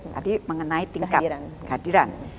tadi mengenai tingkat kehadiran